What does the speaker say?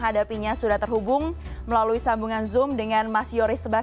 halo mas selamat malam mas yuswo